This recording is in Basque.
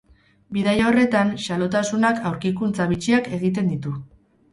Bidaia horretan, xalotasunak aurkikuntza bitxiak egiten ditu.